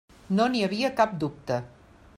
No n'hi havia cap dubte.